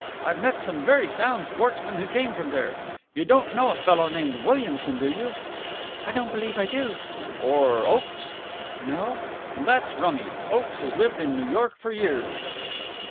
"I've met some very sound sportsmen who came from there. You don't know a fellow named Williamson, do you?" "I don't believe I do." "Or Oakes?" "No." "That's rummy! Oakes has lived in New York for years."